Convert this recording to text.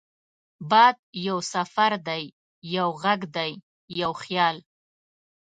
باد یو سفر دی، یو غږ دی، یو خیال